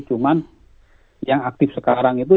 cuman yang aktif sekarang itu